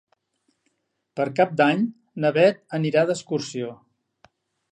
Per Cap d'Any na Beth anirà d'excursió.